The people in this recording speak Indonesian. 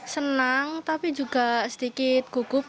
senang tapi juga sedikit gugup